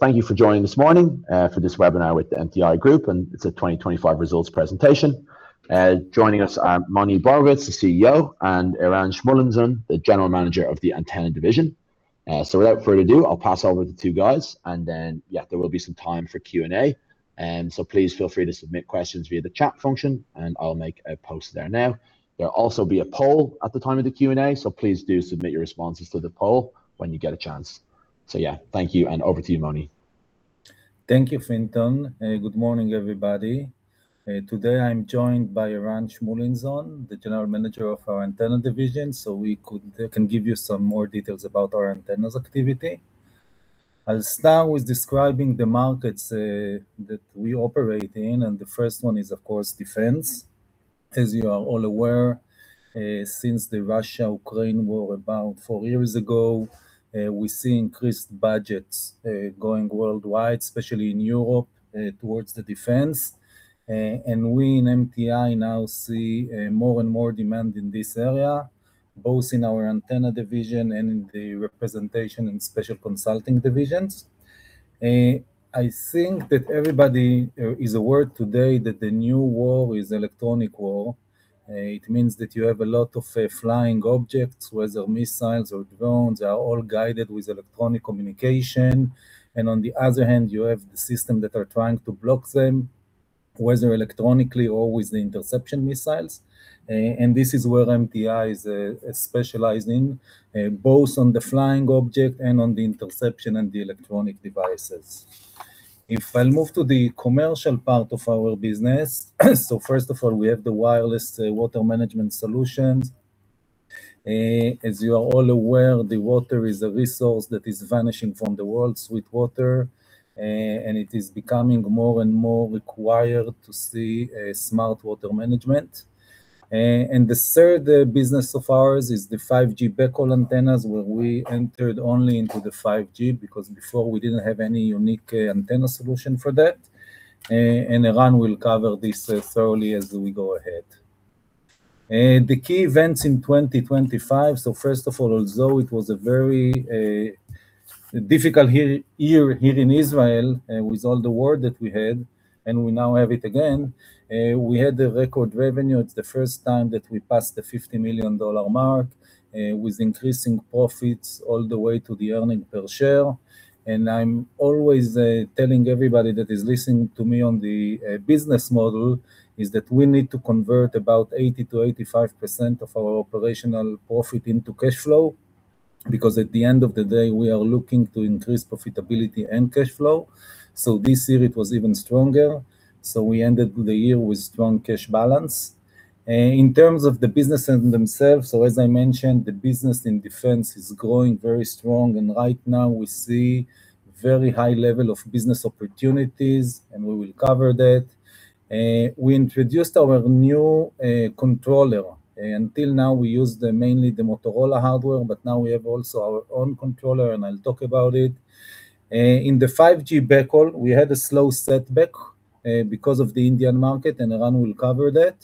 Thank you for joining this morning, for this webinar with the MTI group, and it's a 2025 results presentation. Joining us are Moni Borovitz, the CEO, and Eran Shmulinson, the General Manager of the antenna division. Without further ado, I'll pass over to the two guys, and then, yeah, there will be some time for Q&A. Please feel free to submit questions via the chat function, and I'll make a post there now. There'll also be a poll at the time of the Q&A, so please do submit your responses to the poll when you get a chance. Yeah, thank you and over to you, Moni. Thank you, Fintan. Good morning, everybody. Today I'm joined by Eran Shmulinson, the general manager of our antenna division, so we can give you some more details about our antenna's activity. I'll start with describing the markets that we operate in, and the first one is, of course, defense. As you are all aware, since the Russia-Ukraine war about four years ago, we see increased budgets going worldwide, especially in Europe, towards the defense. We in MTI now see more and more demand in this area, both in our antenna division and in the representation and special consulting divisions. I think that everybody is aware today that the new war is Electronic warfare. It means that you have a lot of flying objects, whether missiles or drones, they are all guided with electronic communication. On the other hand, you have the systems that are trying to block them, whether electronically or with the interception missiles. This is where MTI is specializing both on the flying object and on the interception and the electronic devices. I'll move to the commercial part of our business. First of all, we have the wireless water management solutions. As you are all aware, the water is a resource that is vanishing from the world's sweet water, and it is becoming more and more required to see a smart water management. The third business of ours is the 5G backhaul antennas, where we entered only into the 5G because before we didn't have any unique antenna solution for that. Eran will cover this thoroughly as we go ahead. The key events in 2025, first of all, although it was a very difficult year here in Israel with all the war that we had, and we now have it again, we had the record revenue. It's the first time that we passed the $50 million mark with increasing profits all the way to the earnings per share. I'm always telling everybody that is listening to me on the business model is that we need to convert about 80%-85% of our operational profit into cash flow, because at the end of the day, we are looking to increase profitability and cash flow. This year it was even stronger. We ended the year with strong cash balance. In terms of the businesses themselves, so as I mentioned, the business in defense is growing very strong, and right now we see very high level of business opportunities, and we will cover that. We introduced our new controller. Until now, we used mainly the Motorola hardware, but now we have also our own controller, and I'll talk about it. In the 5G backhaul, we had a slow setback because of the Indian market, and Eran will cover that.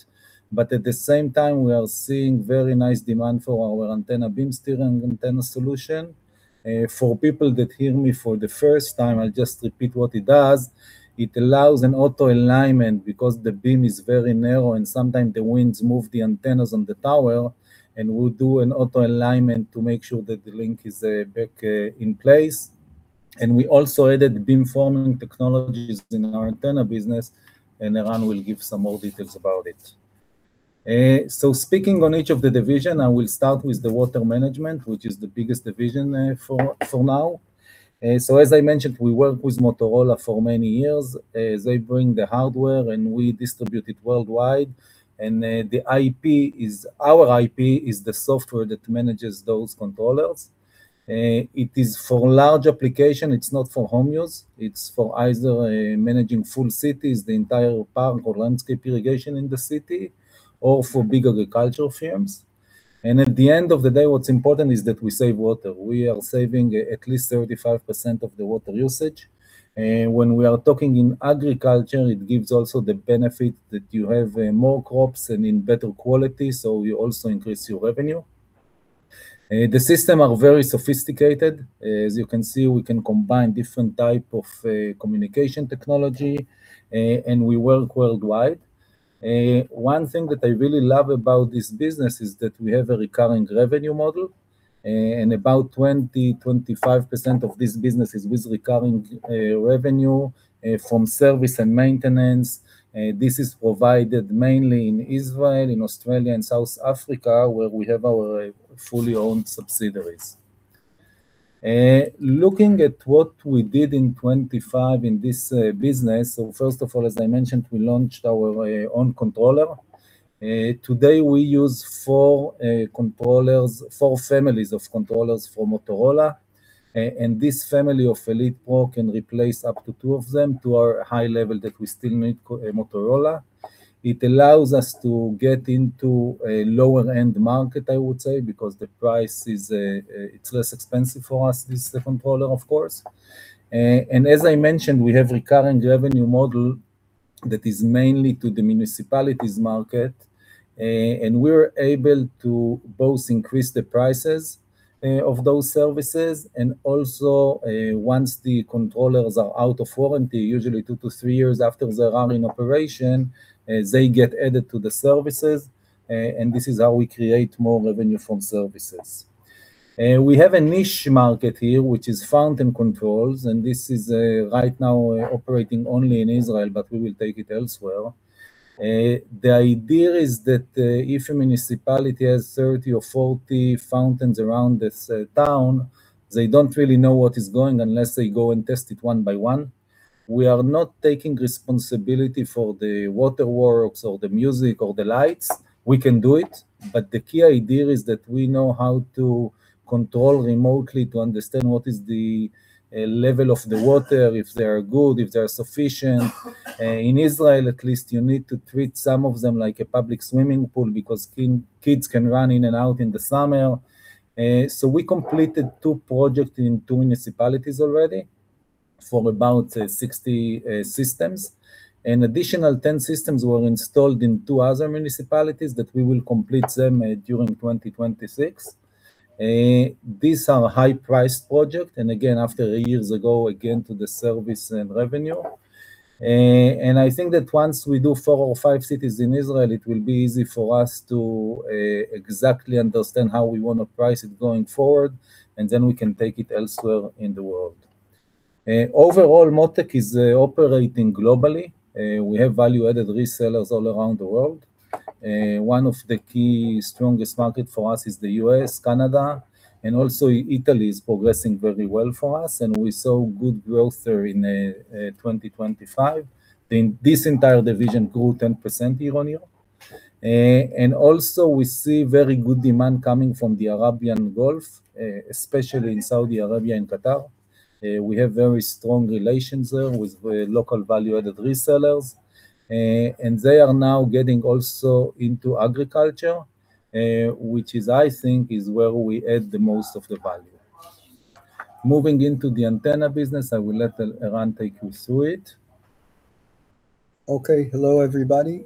At the same time, we are seeing very nice demand for our antenna beam steering and antenna solution. For people that hear me for the first time, I'll just repeat what it does. It allows an auto-alignment because the beam is very narrow, and sometimes the winds move the antennas on the tower, and we'll do an auto-alignment to make sure that the link is back in place. We also added beamforming technologies in our antenna business, and Eran will give some more details about it. Speaking on each of the division, I will start with the water management, which is the biggest division for now. As I mentioned, we work with Motorola for many years. They bring the hardware, and we distribute it worldwide. Our IP is the software that manages those controllers. It is for large application. It's not for home use. It's for either managing full cities, the entire park or landscape irrigation in the city, or for big agricultural firms. At the end of the day, what's important is that we save water. We are saving at least 35% of the water usage. When we are talking in agriculture, it gives also the benefit that you have more crops and in better quality, so you also increase your revenue. The system are very sophisticated. As you can see, we can combine different type of communication technology and we work worldwide. One thing that I really love about this business is that we have a recurring revenue model, and about 25% of this business is with recurring revenue from service and maintenance. This is provided mainly in Israel, in Australia and South Africa, where we have our fully owned subsidiaries. Looking at what we did in 2025 in this business. First of all, as I mentioned, we launched our own controller. Today, we use four families of controllers for Motorola. And this family of Elite Pro can replace up to two of them to our high level that we still make for Motorola. It allows us to get into a lower-end market, I would say, because the price is, it's less expensive for us, this controller, of course. As I mentioned, we have recurring revenue model. That is mainly to the municipalities market. We're able to both increase the prices of those services and also, once the controllers are out of warranty, usually two to three years after they're up in operation, they get added to the services, and this is how we create more revenue from services. We have a niche market here, which is fountain controls, and this is right now operating only in Israel, but we will take it elsewhere. The idea is that, if a municipality has 30 or 40 fountains around its town, they don't really know what is going unless they go and test it one by one. We are not taking responsibility for the water works or the music or the lights. We can do it, but the key idea is that we know how to control remotely to understand what is the level of the water, if they are good, if they are sufficient. In Israel at least, you need to treat some of them like a public swimming pool because kids can run in and out in the summer. We completed two projects in two municipalities already for about 60 systems, and additional 10 systems were installed in two other municipalities that we will complete them during 2026. These are high-priced project, and again, after years ago, again to the service and revenue. I think that once we do four or five cities in Israel, it will be easy for us to exactly understand how we wanna price it going forward, and then we can take it elsewhere in the world. Overall, Mottech is operating globally. We have value-added resellers all around the world. One of the key strongest market for us is the U.S., Canada, and also Italy is progressing very well for us, and we saw good growth there in 2025. This entire division grew 10% year-on-year. We see very good demand coming from the Arabian Gulf, especially in Saudi Arabia and Qatar. We have very strong relations there with local value-added resellers, and they are now getting also into agriculture, which I think is where we add the most of the value. Moving into the antenna business, I will let Eran take you through it. Okay. Hello, everybody.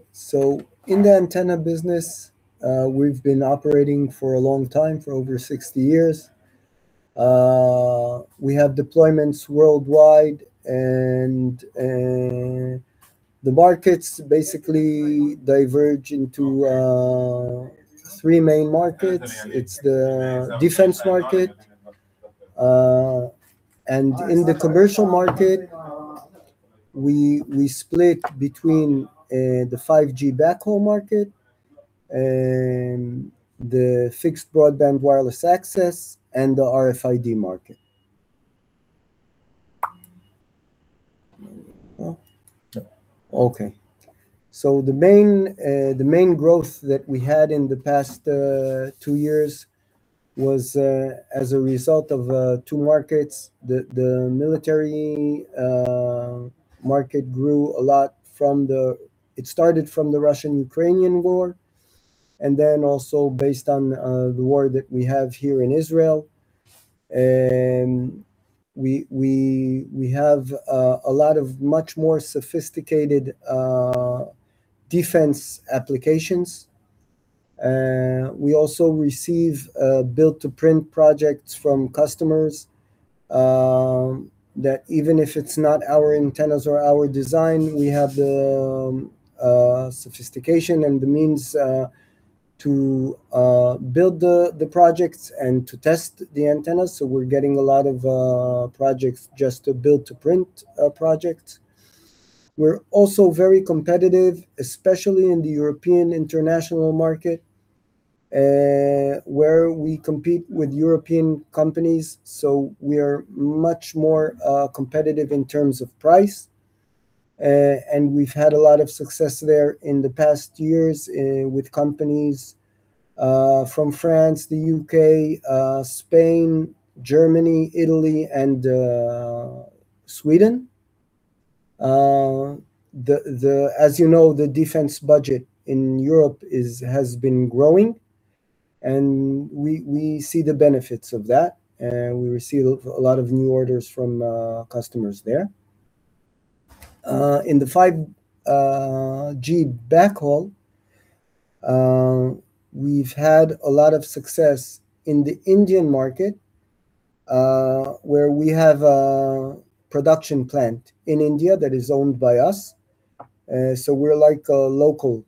In the antenna business, we've been operating for a long time, for over 60 years. We have deployments worldwide and the markets basically diverge into three main markets. It's the defense market, and in the commercial market we split between the 5G backhaul market, the fixed broadband wireless access, and the RFID market. Yeah. Okay. The main growth that we had in the past two years was as a result of two markets. The military market grew a lot. It started from the Russian-Ukrainian War and then also based on the war that we have here in Israel, we have a lot of much more sophisticated defense applications. We also receive build to print projects from customers that even if it's not our antennas or our design, we have the sophistication and the means to build the projects and to test the antennas. We're getting a lot of projects just to build to print projects. We're also very competitive, especially in the European international market, where we compete with European companies, so we are much more competitive in terms of price. We've had a lot of success there in the past years, with companies from France, the U.K., Spain, Germany, Italy, and Sweden. As you know, the defense budget in Europe has been growing, and we see the benefits of that, and we receive a lot of new orders from customers there. In the 5G backhaul, we've had a lot of success in the Indian market, where we have a production plant in India that is owned by us. We're like a local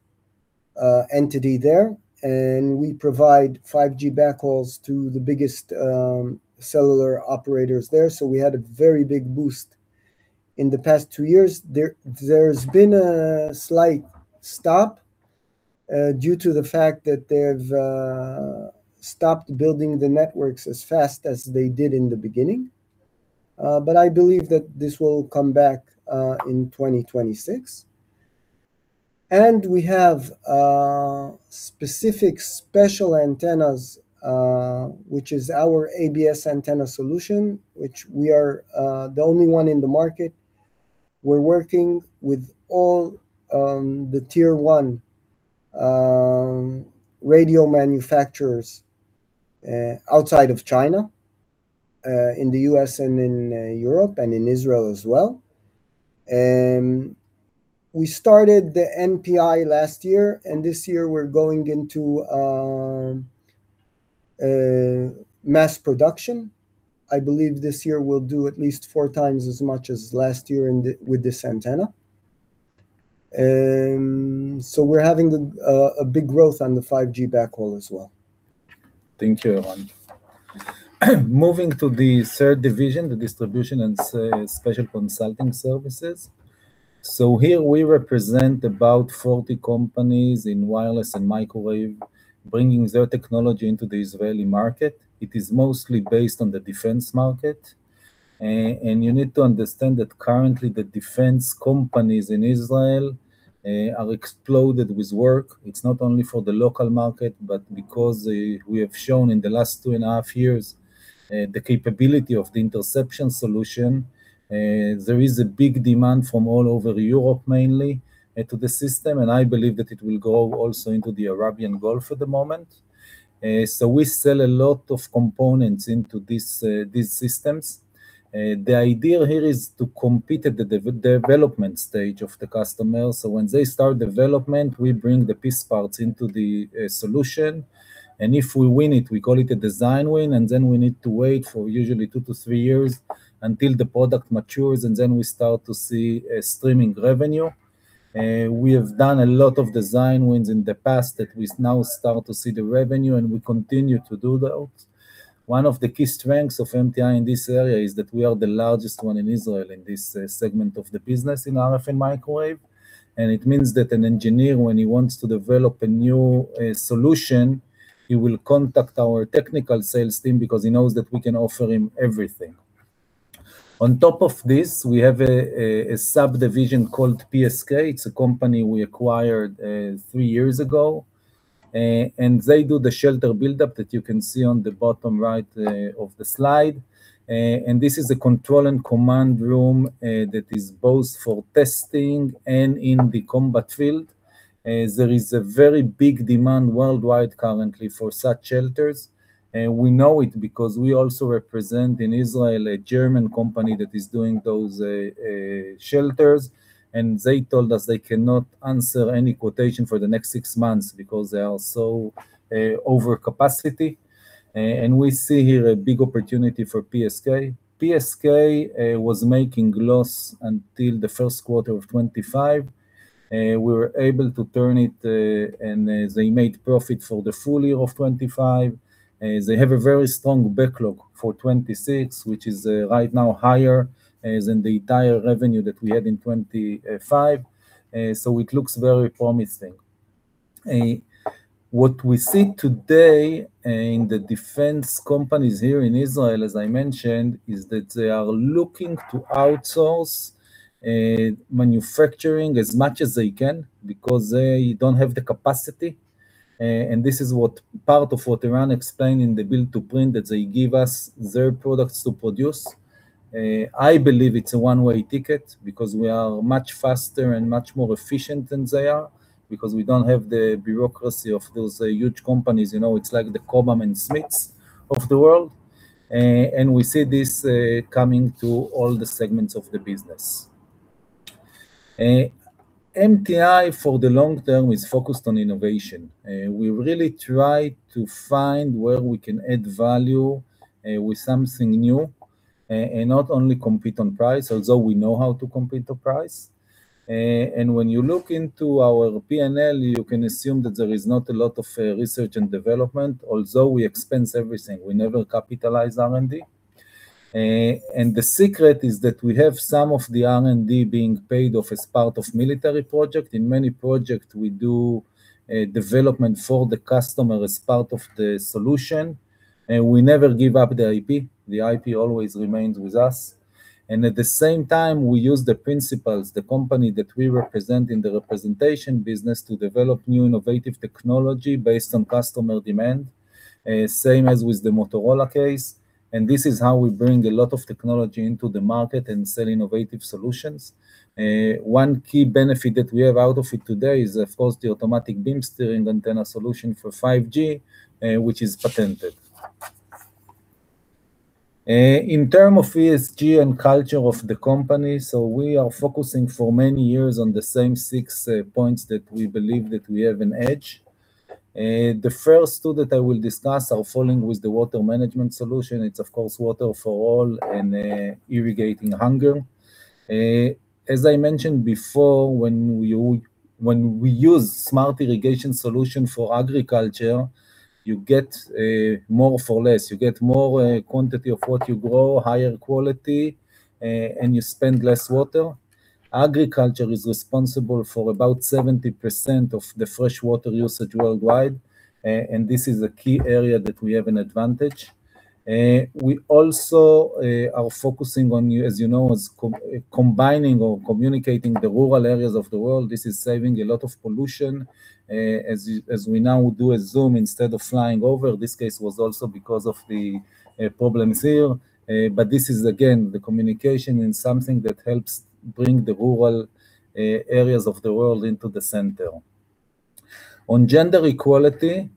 entity there, and we provide 5G backhauls to the biggest cellular operators there. We had a very big boost in the past two years. There's been a slight stop due to the fact that they've stopped building the networks as fast as they did in the beginning. I believe that this will come back in 2026. We have specific special antennas, which is our ABS antenna solution, which we are the only one in the market. We're working with all the tier one radio manufacturers outside of China. In the U.S. and in Europe and in Israel as well. We started the NPI last year, and this year we're going into mass production. I believe this year we'll do at least 4x as much as last year with this antenna. We're having a big growth on the 5G backhaul as well. Thank you, Eran. Moving to the third division, the distribution and special consulting services. Here we represent about 40 companies in wireless and microwave, bringing their technology into the Israeli market. It is mostly based on the defense market. You need to understand that currently the defense companies in Israel are exploding with work. It's not only for the local market, but because we have shown in the last two and a half years the capability of the interception solution, there is a big demand from all over Europe mainly to the system, and I believe that it will go also into the Arabian Gulf at the moment. We sell a lot of components into these systems. The idea here is to compete at the development stage of the customer. When they start development, we bring the piece parts into the solution. If we win it, we call it a design win, and then we need to wait for usually two to three years until the product matures, and then we start to see a steady revenue. We have done a lot of design wins in the past that we now start to see the revenue, and we continue to do that. One of the key strengths of MTI in this area is that we are the largest one in Israel in this segment of the business in RF and microwave. It means that an engineer, when he wants to develop a new solution, he will contact our technical sales team because he knows that we can offer him everything. On top of this, we have a subdivision called PSK. It's a company we acquired three years ago. They do the shelter buildup that you can see on the bottom right of the slide. This is a control and command room that is both for testing and in the combat field, as there is a very big demand worldwide currently for such shelters. We know it because we also represent in Israel a German company that is doing those shelters, and they told us they cannot answer any quotation for the next six months because they are so over capacity. We see here a big opportunity for PSK. PSK was making loss until the first quarter of 2025. We were able to turn it, and they made profit for the full year of 2025. They have a very strong backlog for 2026, which is right now higher than the entire revenue that we had in 2025. It looks very promising. What we see today in the defense companies here in Israel, as I mentioned, is that they are looking to outsource manufacturing as much as they can because they don't have the capacity. This is what part of what Eran explained in the build to print, that they give us their products to produce. I believe it's a one-way ticket because we are much faster and much more efficient than they are because we don't have the bureaucracy of those huge companies. You know, it's like the Cobham and Smiths of the world. We see this coming to all the segments of the business. MTI for the long term is focused on innovation. We really try to find where we can add value with something new and not only compete on price, although we know how to compete on price. When you look into our P&L, you can assume that there is not a lot of research and development, although we expense everything. We never capitalize R&D. The secret is that we have some of the R&D being paid off as part of military project. In many projects, we do development for the customer as part of the solution, and we never give up the IP. The IP always remains with us. At the same time, we use the principles, the company that we represent in the representation business to develop new innovative technology based on customer demand. Same as with the Motorola case, and this is how we bring a lot of technology into the market and sell innovative solutions. One key benefit that we have out of it today is, of course, the automatic beam steering antenna solution for 5G, which is patented. In terms of ESG and culture of the company, we are focusing for many years on the same six points that we believe that we have an edge. The first two that I will discuss are following with the water management solution. It's of course, water for all and, irrigating hunger. As I mentioned before, when we use smart irrigation solution for agriculture, you get more for less. You get more quantity of what you grow, higher quality, and you spend less water. Agriculture is responsible for about 70% of the fresh water usage worldwide, and this is a key area that we have an advantage. We also are focusing on, as you know, connecting or communicating the rural areas of the world. This is saving a lot of pollution. As we now do a Zoom instead of flying over, this case was also because of the problems here. This is again the communication and something that helps bring the rural areas of the world into the center. On gender equality,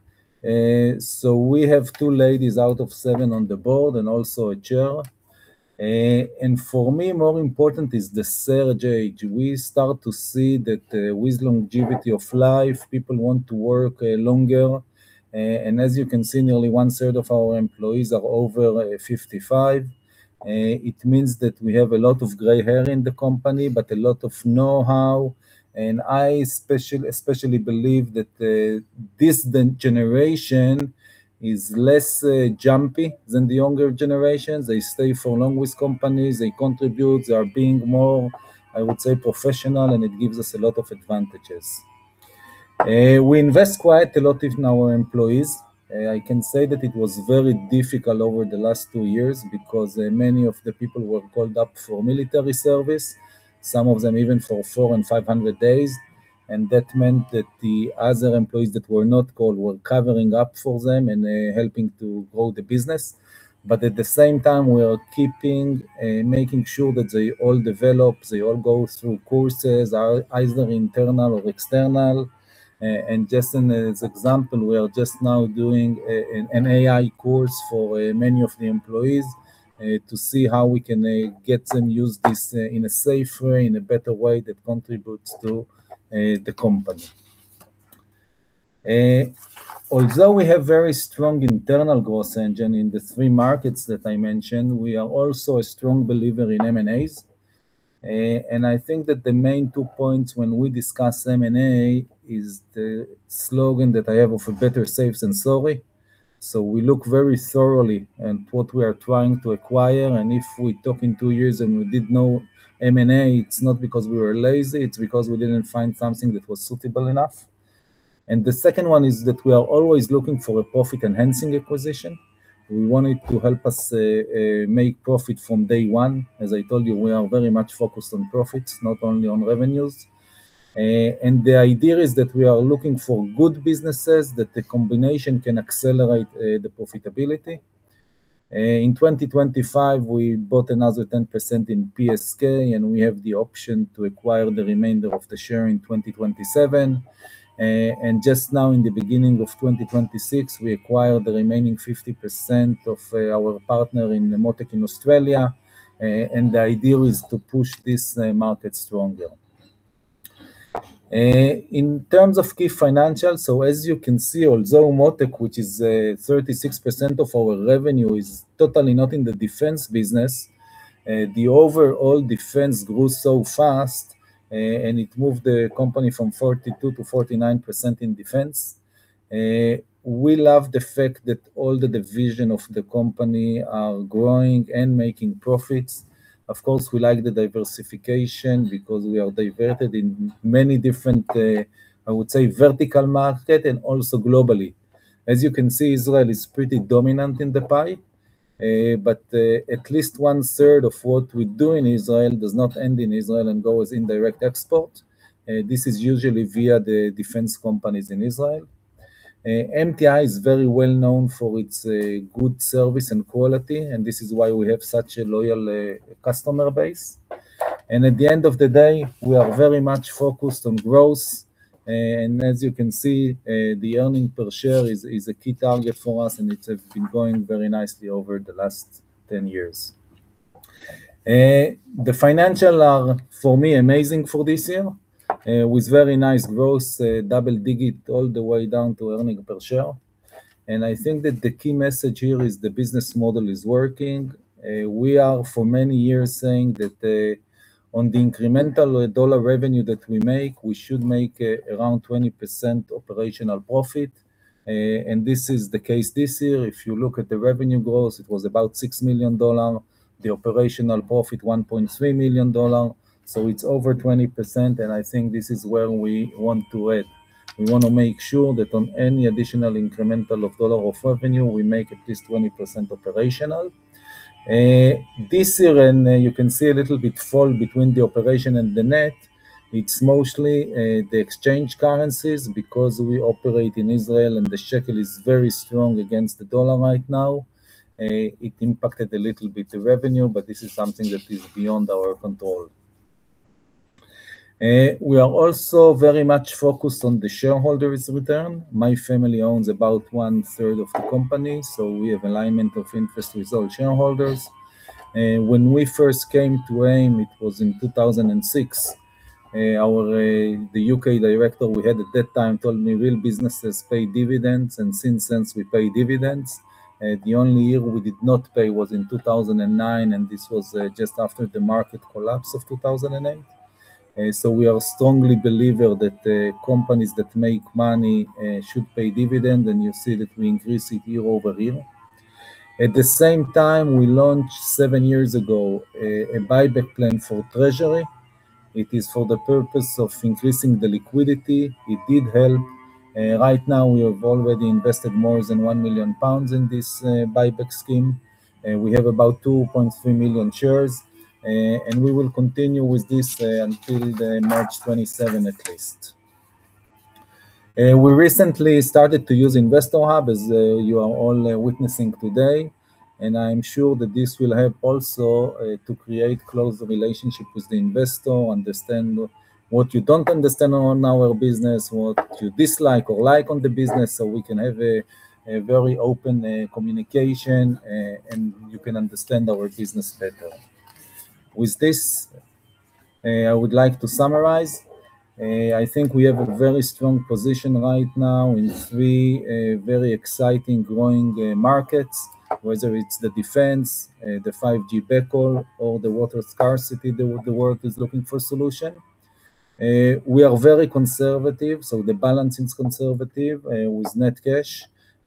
we have two ladies out of seven on the board, and also a chair. For me, more important is the silver age. We start to see that with longevity of life, people want to work longer. As you can see, nearly one third of our employees are over 55. It means that we have a lot of gray hair in the company, but a lot of know-how, and I especially believe that this generation is less jumpy than the younger generations. They stay for long with companies, they contribute, they are being more, I would say, professional, and it gives us a lot of advantages. We invest quite a lot in our employees. I can say that it was very difficult over the last two years because many of the people were called up for military service, some of them even for 400 and 500 days. That meant that the other employees that were not called were covering up for them and helping to grow the business. At the same time, we are keeping and making sure that they all develop, they all go through courses, either internal or external. Just as example, we are just now doing an AI course for many of the employees, to see how we can get them use this in a safe way, in a better way that contributes to the company. Although we have very strong internal growth engine in the three markets that I mentioned, we are also a strong believer in M&As. I think that the main two points when we discuss M&A is the slogan that I have of better safe than sorry. We look very thoroughly at what we are trying to acquire, and if we talk in two years and we did no M&A, it's not because we were lazy, it's because we didn't find something that was suitable enough. The second one is that we are always looking for a profit-enhancing acquisition. We want it to help us make profit from day one. As I told you, we are very much focused on profits, not only on revenues. The idea is that we are looking for good businesses that the combination can accelerate the profitability. In 2025, we bought another 10% in PSK, and we have the option to acquire the remainder of the share in 2027. Just now, in the beginning of 2026, we acquired the remaining 50% of our partner in Mottech in Australia. The idea is to push this market stronger. In terms of key financials, so as you can see, although Mottech, which is 36% of our revenue, is totally not in the defense business, the overall defense grew so fast, and it moved the company from 42%-49% in defense. We love the fact that all the division of the company are growing and making profits. Of course, we like the diversification because we are diversified in many different, I would say, vertical market, and also globally. As you can see, Israel is pretty dominant in the pie. At least one-third of what we do in Israel does not end in Israel and goes in direct export. This is usually via the defense companies in Israel. MTI is very well known for its good service and quality, and this is why we have such a loyal customer base. At the end of the day, we are very much focused on growth. As you can see, the earnings per share is a key target for us, and it has been growing very nicely over the last 10 years. The financials are, for me, amazing for this year, with very nice growth, double-digit all the way down to earnings per share. I think that the key message here is the business model is working. We are for many years saying that, on the incremental dollar revenue that we make, we should make, around 20% operational profit. This is the case this year. If you look at the revenue growth, it was about $6 million. The operational profit, $1.3 million, so it's over 20%, and I think this is where we want to head. We wanna make sure that on any additional incremental of dollar of revenue, we make at least 20% operational. This year, and you can see a little bit fall between the operation and the net, it's mostly, the exchange currencies, because we operate in Israel and the shekel is very strong against the dollar right now. It impacted a little bit the revenue, but this is something that is beyond our control. We are also very much focused on the shareholder's return. My family owns about one-third of the company, so we have alignment of interest with all shareholders. When we first came to AIM, it was in 2006. Our, the UK director we had at that time told me, "Real businesses pay dividends," and since then, we pay dividends. The only year we did not pay was in 2009, and this was just after the market collapse of 2008. We are strongly believer that companies that make money should pay dividend, and you see that we increase it year over year. At the same time, we launched seven years ago a buyback plan for treasury. It is for the purpose of increasing the liquidity. It did help. Right now, we have already invested more than 1 million pounds in this buyback scheme. We have about 2.3 million shares, and we will continue with this until March 2027 at least. We recently started to use Investor Hub, as you are all witnessing today. I'm sure that this will help also to create closer relationship with the investor, understand what you don't understand on our business, what you dislike or like on the business, so we can have a very open communication, and you can understand our business better. With this, I would like to summarize. I think we have a very strong position right now in three very exciting growing markets, whether it's the defense, the 5G backhaul, or the water scarcity the world is looking for solution. We are very conservative, so the balance is conservative with net cash.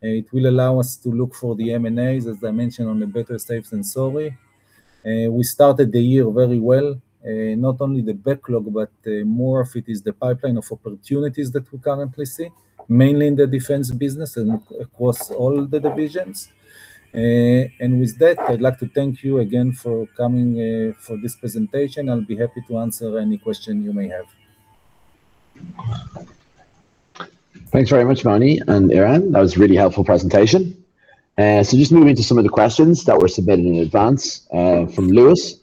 It will allow us to look for the M&As, as I mentioned, on the better safe than sorry. We started the year very well, not only the backlog, but more of it is the pipeline of opportunities that we currently see, mainly in the defense business and across all the divisions. With that, I'd like to thank you again for coming for this presentation. I'll be happy to answer any question you may have. Thanks very much, Moni and Eran. That was a really helpful presentation. Just moving to some of the questions that were submitted in advance, from Lewis.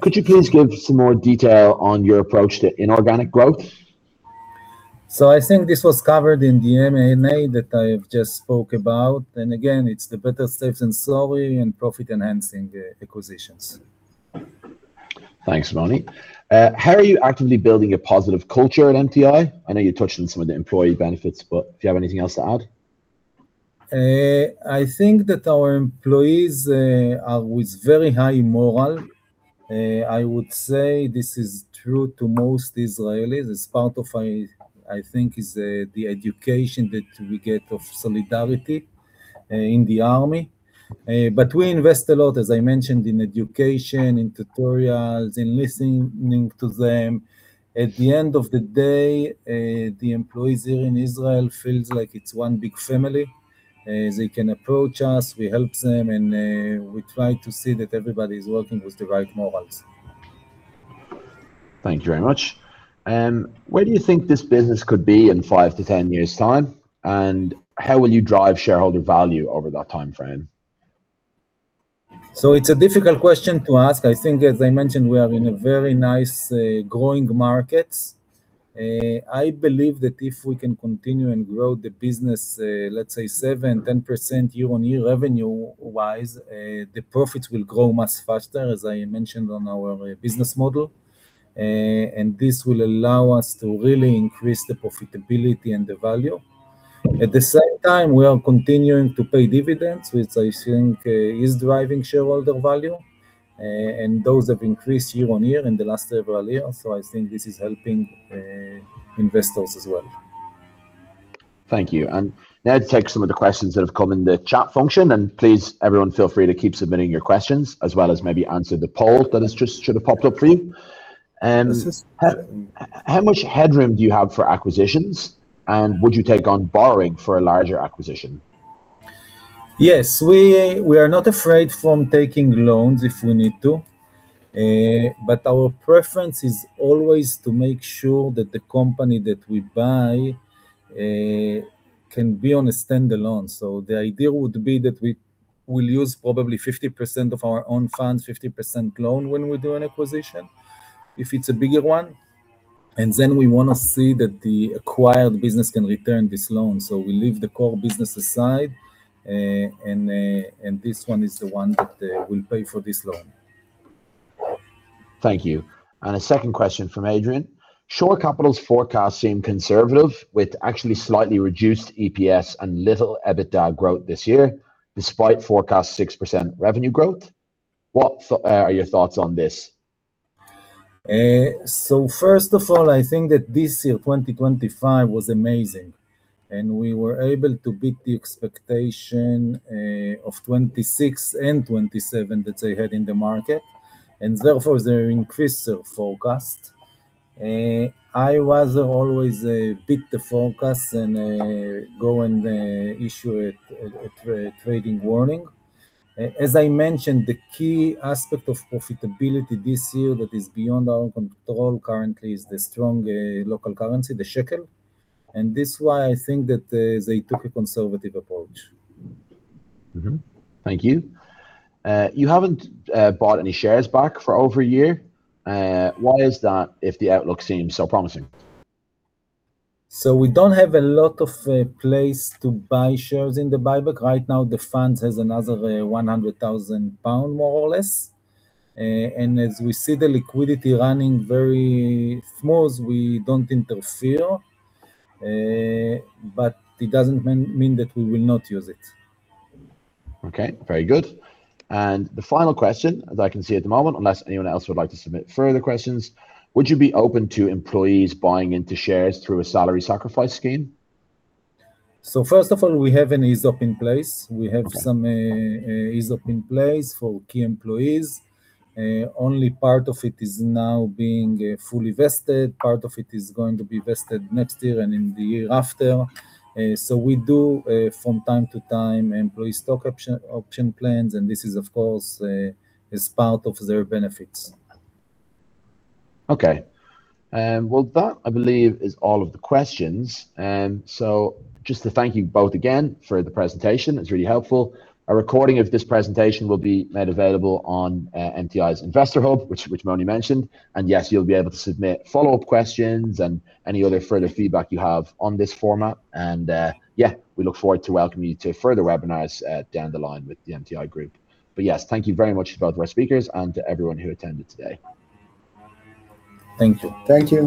Could you please give some more detail on your approach to inorganic growth? I think this was covered in the M&A that I have just spoke about. Again, it's the better safe than sorry in profit-enhancing acquisitions. Thanks, Moni. How are you actively building a positive culture at MTI? I know you touched on some of the employee benefits, but do you have anything else to add? I think that our employees are with very high morale. I would say this is true to most Israelis as part of it, I think it's the education that we get of solidarity in the army. We invest a lot, as I mentioned, in education, in tutorials, in listening to them. At the end of the day, the employees here in Israel feel like it's one big family. They can approach us, we help them, and we try to see that everybody is working with the right morale. Thank you very much. Where do you think this business could be in five to 10 years time? How will you drive shareholder value over that timeframe? It's a difficult question to ask. I think, as I mentioned, we are in a very nice, growing markets. I believe that if we can continue and grow the business, let's say 7%-10% year-on-year revenue-wise, the profits will grow much faster, as I mentioned on our business model. This will allow us to really increase the profitability and the value. At the same time, we are continuing to pay dividends, which I think, is driving shareholder value, and those have increased year-on-year in the last several years. I think this is helping investors as well. Thank you. Now to take some of the questions that have come in the chat function, and please, everyone, feel free to keep submitting your questions, as well as maybe answer the poll that just should have popped up for you. Yes, yes. How much headroom do you have for acquisitions, and would you take on borrowing for a larger acquisition? Yes. We are not afraid from taking loans if we need to, but our preference is always to make sure that the company that we buy can be on a standalone. The idea would be that we will use probably 50% of our own funds, 50% loan when we do an acquisition if it's a bigger one. Then we wanna see that the acquired business can return this loan. We leave the core business aside, and this one is the one that will pay for this loan. Thank you. A second question from Adrian. Shore Capital's forecasts seem conservative, with actually slightly reduced EPS and little EBITDA growth this year, despite forecast 6% revenue growth. What are your thoughts on this? First of all, I think that this year, 2025, was amazing, and we were able to beat the expectation of 26 and 27 that they had in the market, and therefore they increased their forecast. We always beat the forecast and go and issue a trading warning. As I mentioned, the key aspect of profitability this year that is beyond our control currently is the strong local currency, the shekel, and this is why I think that they took a conservative approach. Thank you. You haven't bought any shares back for over a year. Why is that if the outlook seems so promising? We don't have a lot of place to buy shares in the buyback. Right now, the funds has another 100,000 pound, more or less. As we see the liquidity running very smooth, we don't interfere, but it doesn't mean that we will not use it. Okay. Very good. The final question that I can see at the moment, unless anyone else would like to submit further questions, would you be open to employees buying into shares through a salary sacrifice scheme? First of all, we have an ESOP in place. Okay. We have some ESOP in place for key employees. Only part of it is now being fully vested. Part of it is going to be vested next year and in the year after. We do, from time to time employee stock option plans, and this is of course part of their benefits. Okay. Well, that, I believe, is all of the questions. So just to thank you both again for the presentation. It's really helpful. A recording of this presentation will be made available on MTI's Investor Hub, which Moni mentioned. Yes, you'll be able to submit follow-up questions and any other further feedback you have on this format. Yeah, we look forward to welcome you to further webinars down the line with the MTI group. Yes, thank you very much to both our speakers and to everyone who attended today. Thank you. Thank you